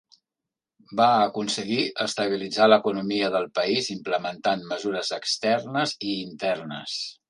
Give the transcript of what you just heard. Va aconseguir estabilitzar l'economia del país implementant mesures externes i internes.